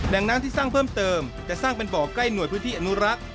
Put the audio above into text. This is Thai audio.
น้ำที่สร้างเพิ่มเติมจะสร้างเป็นบ่อใกล้หน่วยพื้นที่อนุรักษ์